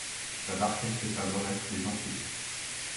La barquette peut alors être désenfilée.